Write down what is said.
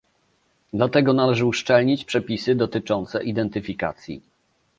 Dlatego należy uszczelnić przepisy dotyczące identyfikacji